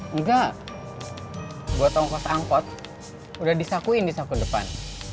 enggak buat ongkos angkot udah disakuin di sakun depan